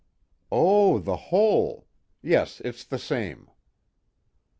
"Oh, the hole! Yes, it's the same."